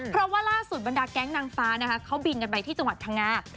เพราะว่าล่าสุดบรรดาแก๊งนางฟ้านะคะเขาบินกันไปที่จังหวัดพังงา